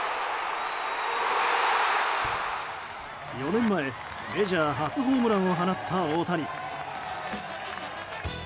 ４年前、メジャー初ホームランを放った大谷。